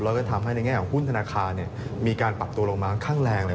แล้วก็ทำให้ในแง่ของหุ้นธนาคารมีการปรับตัวลงมาข้างแรงเลย